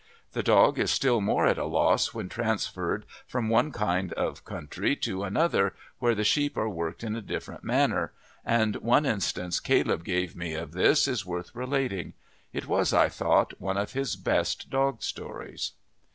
The dog is still more at a loss when transferred from one kind of country to another where the sheep are worked in a different manner, and one instance Caleb gave me of this is worth relating. It was, I thought, one of his best dog stories.